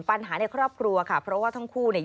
ปัญหาในครอบครัวค่ะเพราะว่าทั้งคู่เนี่ย